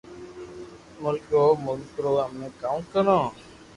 مالڪ رو مالڪ رو امي ڪاو ڪرو